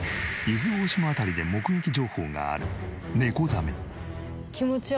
伊豆大島辺りで目撃情報があるネコザメ。